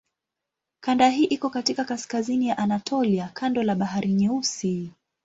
Kanda hii iko katika kaskazini ya Anatolia kando la Bahari Nyeusi.